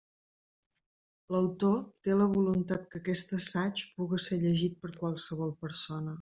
L'autor té la voluntat que aquest assaig puga ser llegit per qualsevol persona.